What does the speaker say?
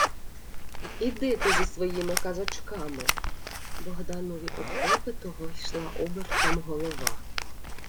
— Іди ти зі своїми казочками! — Богданові од випитого йшла обертом голова.